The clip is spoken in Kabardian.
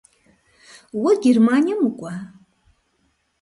Уэ Германием укӏуа?